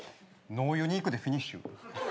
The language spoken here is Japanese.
ノーユニークでフィニッシュ。